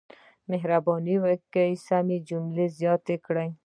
مهرباني وکړئ سمې جملې زیاتې کړئ.